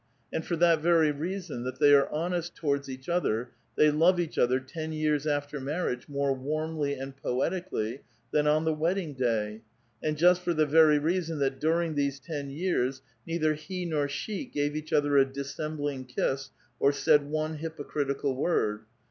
And for that very reason, that they are honest towards each other, they love each other ten years after marriage more warmly and poetically than on the wedding day, and just for the very reason that during these ten years neither he nor she gav e each other a dissembling kiss or said one hypocritical word.